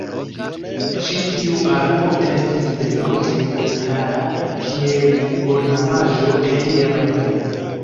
Ĉi tiu arbo estis delonge populara kiel ornamaĵo en Japanio.